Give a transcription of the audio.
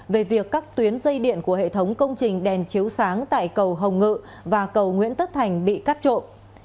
về việc các tuyến dây điện của hệ thống công trình đèn chiếu sáng tại cầu hồng ngự và cầu nguyễn tất thành bị cắt trộn